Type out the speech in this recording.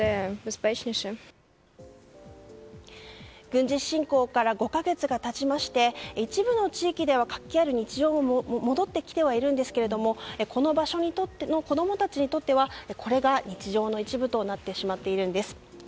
軍事侵攻から５か月が経ちまして一部の地域では活気ある日常が戻ってきていますがこの場所、子供たちにとってはこれが日常の一部になってしまっているんです。